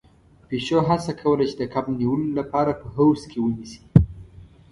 پيشو هڅه کوله چې د کب نيولو لپاره په حوض کې ونيسي.